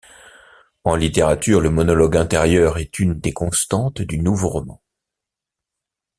En littérature, le monologue intérieur est une des constantes du Nouveau Roman.